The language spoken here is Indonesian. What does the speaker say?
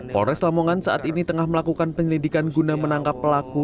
polres lamongan saat ini tengah melakukan penyelidikan guna menangkap pelaku